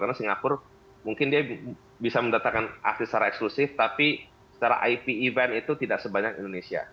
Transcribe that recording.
karena singapura mungkin dia bisa mendatangkan aktif secara eksklusif tapi secara ip event itu tidak sebanyak indonesia